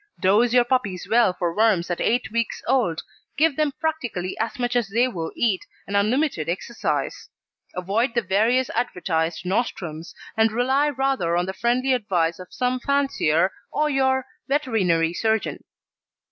Dose your puppies well for worms at eight weeks old, give them practically as much as they will eat, and unlimited exercise. Avoid the various advertised nostrums, and rely rather on the friendly advice of some fancier or your veterinary surgeon.